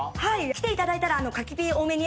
来ていただいたら。